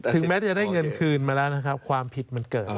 แม้จะได้เงินคืนมาแล้วนะครับความผิดมันเกิด